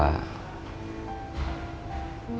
saya akan mencintai catherine